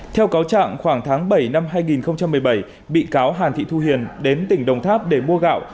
theo cáo trạng khoảng tháng bảy năm hai nghìn một mươi bảy bị cáo hàn thị thu hiền đến tỉnh đồng tháp để mua gạo